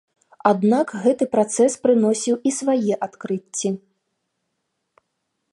Аднак гэты працэс прыносіў і свае адкрыцці.